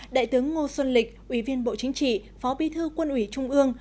đại tướng ngô xuân lịch ủy viên bộ chính trị phó bi thư quân ủy trung ương